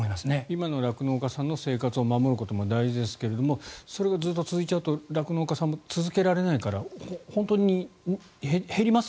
今の酪農家さんの生活を守ることも大事ですがそれがずっと続いちゃうと酪農家さんも続けられないから本当に減ります